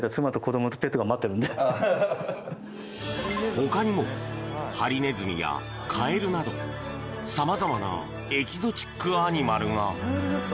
ほかにもハリネズミやカエルなど様々なエキゾチックアニマルが！